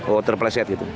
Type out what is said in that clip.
oh terpeleset gitu